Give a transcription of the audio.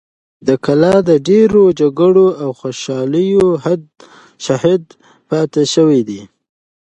دا کلا د ډېرو جګړو او خوشحالیو شاهده پاتې شوې ده.